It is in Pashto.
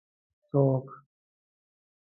څوک